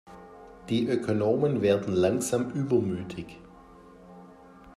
Die Ökonomen werden langsam übermütig.